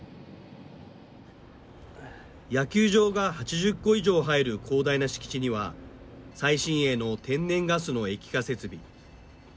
野球場が８０個以上入る広大な敷地には最新鋭の天然ガスの液化設備。